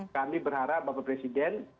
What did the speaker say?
saya berharap bapak presiden